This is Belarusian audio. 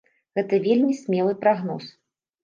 Гэта вельмі смелы прагноз.